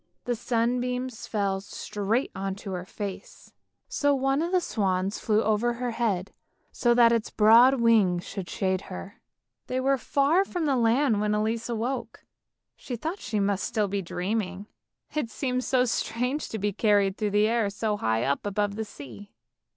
The sunbeams fell straight on to her face, so one of the swans flew over her head so that its broad wings should shade her. They were far from land when Elise woke; she thought she 44 ANDERSEN'S FAIRY TALES must still be dreaming, it seemed so strange to be carried through the air so high up above the sea.